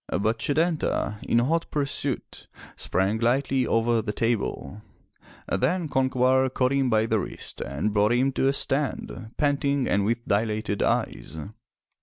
But Setanta, in hot pursuit, sprang lightly over the table. Then Concobar caught him by the wrist and brought him to a stand, panting and with dilated eyes.